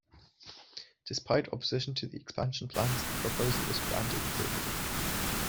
Despite opposition to the expansion plans, the proposal was granted approval.